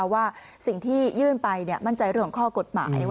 ว่าสิ่งที่ยื่นไปมั่นใจเรื่องของข้อกฎหมาย